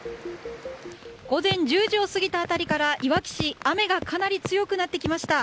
午前１０時を過ぎた辺りからいわき市雨がかなり強くなってきました。